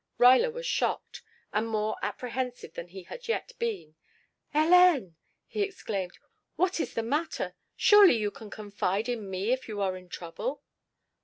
Ruyler was shocked, and more apprehensive than he had yet been. "Hélène!" he exclaimed. "What is the matter? Surely you may confide in me if you are in trouble."